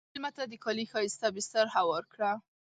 مېلمه ته د کالي ښایسته بستر هوار کړه.